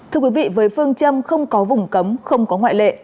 thưa quý vị với phương châm không có vùng cấm không có ngoại lệ